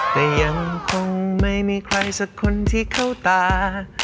แต่ยังคงไม่มีใครสักคนที่เข้าตา